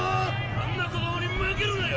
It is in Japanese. あんな子供に負けるなよ！